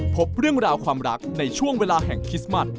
พบเรื่องราวความรักในช่วงเวลาแห่งคริสต์มัส